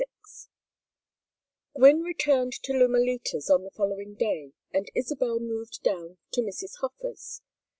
XXXVI Gwynne returned to Lumalitas on the following day and Isabel moved down to Mrs. Hofer's.